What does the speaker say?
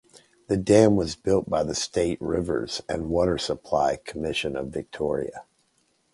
The dam was built by the State Rivers and Water Supply Commission of Victoria.